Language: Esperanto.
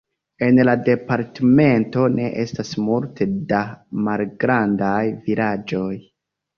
En la departemento ne estas multe da malgrandaj vilaĝoj.